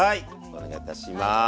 お願いいたします。